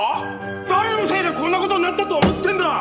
誰のせいでこんなことになったと思ってんだ